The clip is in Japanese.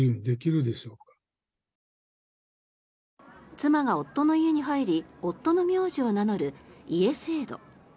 妻が夫の家に入り夫の名字を名乗る家制度。